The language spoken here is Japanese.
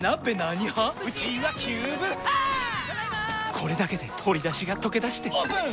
これだけで鶏だしがとけだしてオープン！